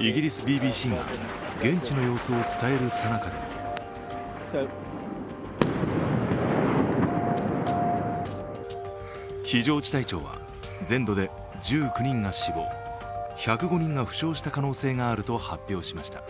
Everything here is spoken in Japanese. イギリスＢＢＣが現地の様子を伝えるさなかでも非常事態庁は全土で１９人が死亡１０５人が負傷した可能性があると発表しました。